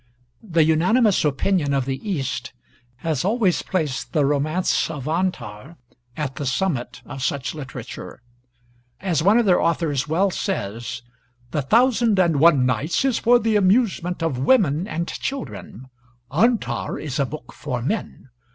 The unanimous opinion of the East has always placed the romance of 'Antar' at the summit of such literature. As one of their authors well says: "'The Thousand and One Nights' is for the amusement of women and children; 'Antar' is a book for men.